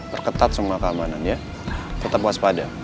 berketat semua keamanan ya tetap waspada